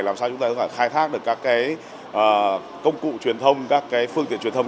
làm sao chúng ta có thể khai thác được các công cụ truyền thông các phương tiện truyền thông